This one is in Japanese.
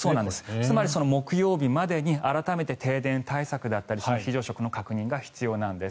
つまり木曜日までに改めて停電対策だったり非常食の確認が必要なんです。